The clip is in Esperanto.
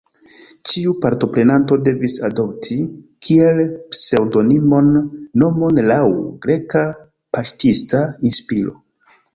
Ĉiu partoprenanto devis adopti, kiel pseŭdonimon, nomon laŭ greka paŝtista inspiro.